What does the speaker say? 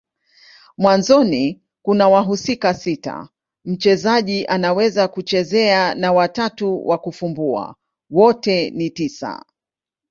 Mwanzoni kuna wahusika sita mchezaji anaweza kuchezea na watatu wa kufumbua. Wote ni tisa.